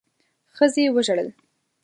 ښځې وژړل.